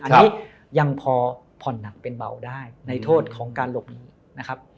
อันนี้ยังพอผ่อนหนักเป็นเบาได้ในโทษของการหลบหนีนะครับ